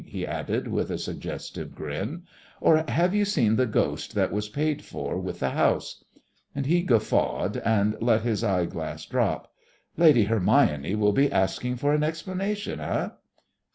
he added, with a suggestive grin. "Or have you seen the ghost that was paid for with the house?" And he guffawed and let his eyeglass drop. "Lady Hermione will be asking for an explanation eh?"